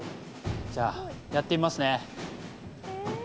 じゃあ、やってみますね。